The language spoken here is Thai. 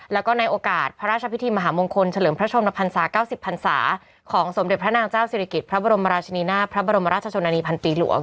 แล้วก็ในโอกาสพระราชพิธีมหามงคลเฉลิมพระชนพันศา๙๐พันศาของสมเด็จพระนางเจ้าศิริกิจพระบรมราชนีนาพระบรมราชชนนานีพันปีหลวง